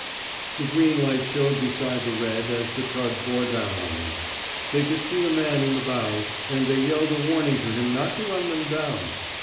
'' The green light showed beside the red as the tug bore down on them. They could see a man in the bows, and they yelled a warning to him not to run them down.